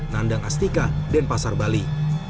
nandang astika dan pasar bali